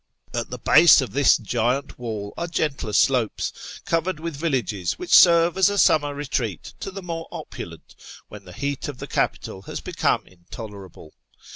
At the base of this giant wall are gentler slopes, covered with villages which serve as a summer retreat to the more opulent when the heat of the capital has become intoler able.